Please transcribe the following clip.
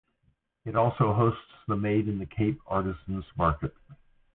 It also hosts the Made in the Cape artisans market.